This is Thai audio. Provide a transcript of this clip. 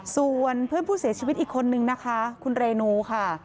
ส่วนเพื่อนผู้เสียชีวิตอีกคนนึงนะคะคุณเรนูค่ะ